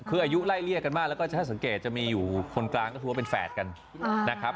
คืออายุไล่เรียกกันมากแล้วก็ถ้าสังเกตจะมีอยู่คนกลางก็คือว่าเป็นแฝดกันนะครับ